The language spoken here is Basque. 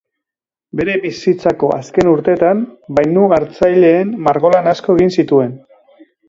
Bere bizitzako azken urteetan, bainu-hartzaileen margolan asko egin zituen.